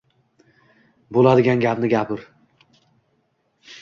Bo'ladigan gapni gapir!